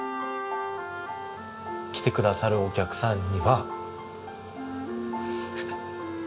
来てくださるお客さんには。